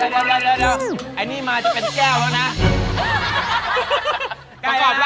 เดี๋ยวอันนี้มาจะเป็นแก้วแล้วนะ